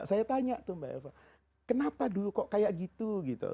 saya tanya tuh mbak yofa kenapa dulu kok kaya gitu